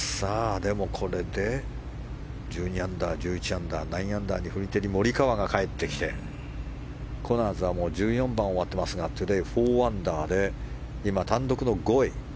でもこれで、１２アンダー１１アンダー９アンダーにフリテリ、モリカワが帰ってきてコナーズは１４番を終わってトゥデー４アンダーで今、単独の５位。